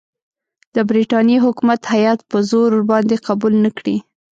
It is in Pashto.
د برټانیې حکومت هیات په زور ورباندې قبول نه کړي.